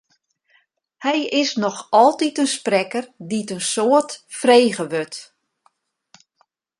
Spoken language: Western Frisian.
Hy is noch altyd in sprekker dy't in soad frege wurdt.